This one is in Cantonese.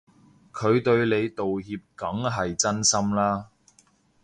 佢對你道歉梗係真心啦